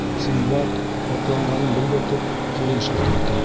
Синдбад, һоҡланғанын белгертеп, телен шартлата.